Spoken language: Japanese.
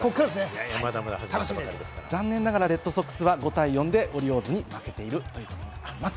残念ながら、レッドソックスは５対４でオリオールズに負けているということです。